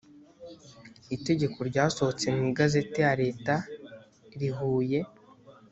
itegeko ryasohotse mu igazeti ya leta rihuye